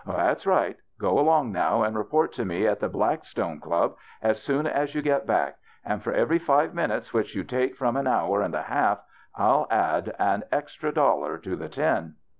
That's right. Go along now and report to me 32 THE BACHELOR'S CHRISTMAS at the Blackstoue Club as soon as you get back, and for every five minutes wliicli you take from an hour and a half I'll add an extra dollar to the ten."